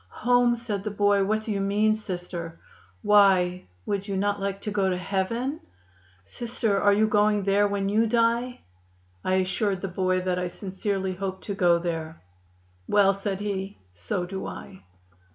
'Home!' said the boy; 'what do you mean, Sister?' 'Why, would you not like to go to heaven?' 'Sister, are you going there when you die?' I assured the boy that I sincerely hoped to go there. 'Well,' said he, 'so do I.